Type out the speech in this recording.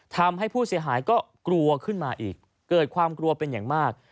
ทำให้ผู้เสียหายก็กลัวขึ้นมาอีกเกิดความกลัวเป็นอย่างมาก